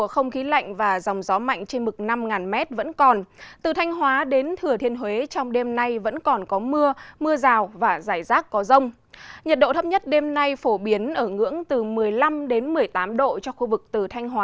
xin chào các bạn